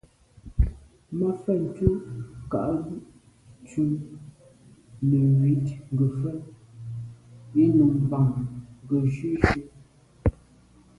Mafentu nkâgtʉ̌n nə̀ ywǐd ngə̀fə̂l ì nù mbàŋ gə̀ jʉ́ jú.